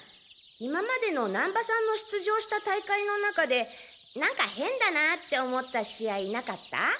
今までの難波さんの出場した大会の中でなんか変だなって思った試合なかった？